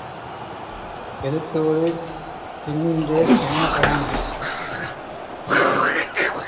எழுத்தோடு எண்ணின்றேல் என்ன பயன்?